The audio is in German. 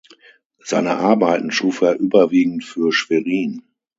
Seine Arbeiten schuf er überwiegend für Schwerin.